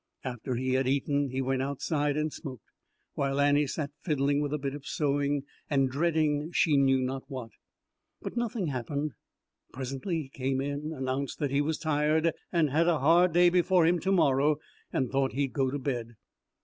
After he had eaten he went outside and smoked, while Annie sat fiddling with a bit of sewing and dreading she knew not what. But nothing happened. Presently he came in, announced that he was tired and had a hard day before him to morrow, and thought he'd go to bed.